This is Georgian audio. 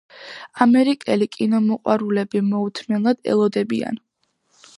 ამერიკელი კინომოყვარულები მოუთმენლად ელოდებიან.